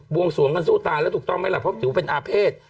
วงสวงกันสู้ตายแล้วถูกต้องไหมล่ะเพราะถือว่าเป็นอาเภษ